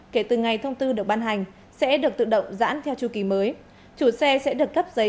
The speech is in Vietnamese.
kể từ ngày thông tư được ban hành sẽ được tự động giãn theo chu kỳ mới chủ xe sẽ được cấp giấy